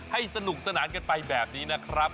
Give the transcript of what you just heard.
สนุกสนานกันไปแบบนี้นะครับ